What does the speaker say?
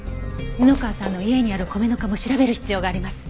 布川さんの家にある米ぬかも調べる必要があります。